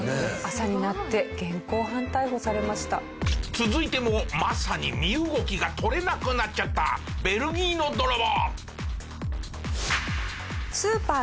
続いてもまさに身動きが取れなくなっちゃったベルギーの泥棒。